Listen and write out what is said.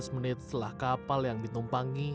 lima belas menit setelah kapal yang ditumpangi